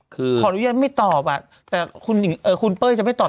คือขออนุญาตไม่ตอบอ่ะแต่คุณเป้ยจะไม่ตอบ